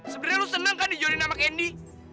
sebenernya lu seneng kan dijodohin sama kendy